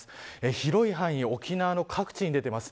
広い範囲沖縄各地に出ています。